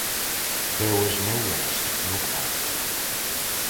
There was no rest, no quiet.